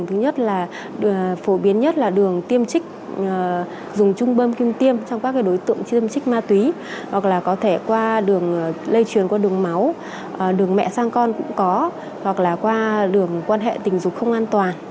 thứ nhất là phổ biến nhất là đường tiêm trích dùng chung bơm kim tiêm trong các đối tượng chuyên trích ma túy hoặc là có thể qua đường lây truyền qua đường máu đường mẹ sang con cũng có hoặc là qua đường quan hệ tình dục không an toàn